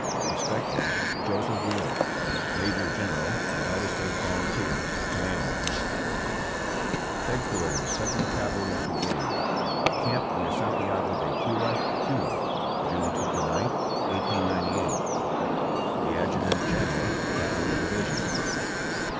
Respectfully, Joseph Wheeler, Major General United States Volunteers, Commanding. Headquarters Second Cavalry Brigade, Camp near Santiago de Cuba, Cuba, June 29, 1898. The Adjutant General Cavalry Division.